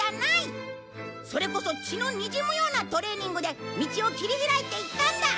それこそ血のにじむようなトレーニングで道を切り開いていったんだ！